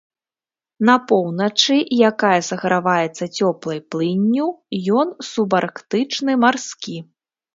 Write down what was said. На поўначы, якая саграваецца цёплай плынню, ён субарктычны марскі.